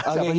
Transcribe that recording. oke gitu ya